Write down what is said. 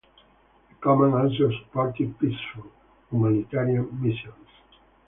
The command also supported peaceful, humanitarian missions.